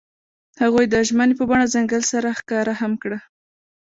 هغوی د ژمنې په بڼه ځنګل سره ښکاره هم کړه.